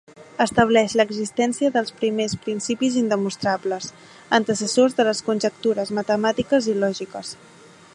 Estableix l'existència dels primers principis indemostrables, antecessors de les conjectures matemàtiques i lògiques.